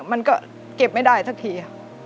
มันก็เก็บไม่ได้สักที